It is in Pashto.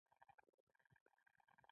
پېچلي بنسټونه رامنځته شول